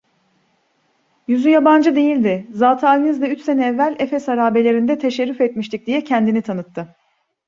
Yüzü yabancı değildi: "Zatıalinizle üç sene evvel Efes harabelerinde teşerrüf etmiştik!" diye kendini tanıttı.